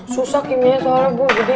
susah kimia soalnya buah gede